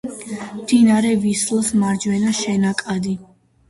მდინარე ვისლას მარჯვენა შენაკადი.